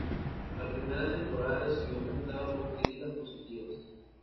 La primera temporada recibió mezclado con críticas positivas.